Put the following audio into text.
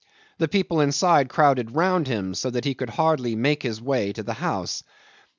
The people inside crowded round him, so that he could hardly make his way to the house.